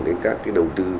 đến các cái đầu tư